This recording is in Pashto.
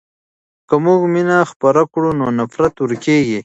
که موږ مینه خپره کړو نو نفرت ورکېږي.